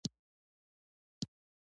• ستا نوم اخیستل هم خوند لري.